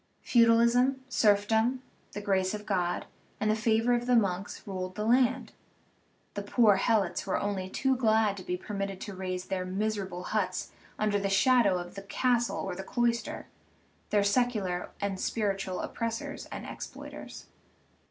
Feudalism, serfdom, the grace of God, and the favor of the monks ruled the land ; the poor helots were only too glad to be permitted to raise their mis erable huts under the shadow of the castle or the clois ter, their secular and spiritual oppressors and exploit ers.